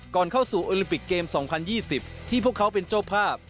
ก่อนเข้าสู่โอลิมปิกเกม๒๐๒๐ที่พวกเขาเป็นเจ้าภาพ